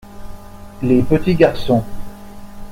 Les petits garçons.